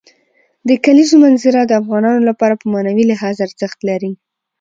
د کلیزو منظره د افغانانو لپاره په معنوي لحاظ ارزښت لري.